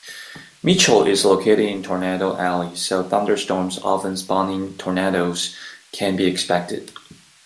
Mitchell is located in Tornado Alley, so thunderstorms, often spawning tornadoes, can be expected.